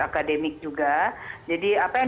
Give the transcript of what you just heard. akademik juga jadi apa yang